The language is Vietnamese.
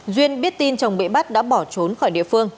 duyên biết tin chồng bị bắt đã bỏ trốn khỏi địa phương